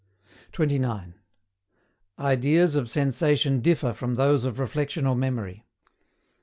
29. IDEAS OF SENSATION DIFFER FROM THOSE OF REFLECTION OR MEMORY.